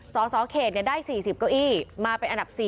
สสเขตได้๔๐เก้าอี้มาเป็นอันดับ๔